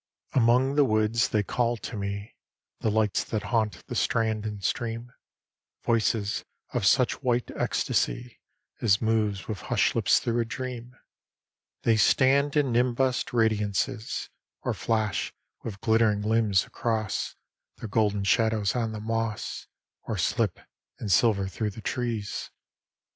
XXXIX Among the woods they call to me The lights that haunt the strand and stream; Voices of such white ecstasy As moves with hushed lips through a dream: They stand in nimbused radiances, Or flash with glittering limbs across Their golden shadows on the moss, Or slip in silver through the trees.